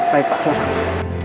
baik pak sama sama